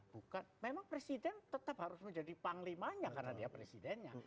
bukan memang presiden tetap harus menjadi panglimanya karena dia presidennya